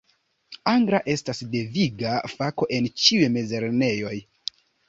Angla estas deviga fako en ĉiuj mezlernejoj.